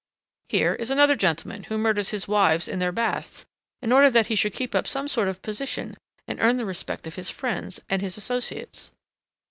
Here is another gentleman who murders his wives in their baths in order that he should keep up some sort of position and earn the respect of his friends and his associates.